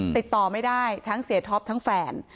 ติดต่อไม่ได้ทั้งเสียท็อปทั้งแฟน